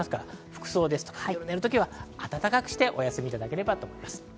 服装ですとか夜寝る時は温かくしてお休みいただければと思います。